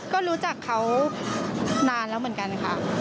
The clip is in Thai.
ก็รู้จักเขานานแล้วเหมือนกันค่ะ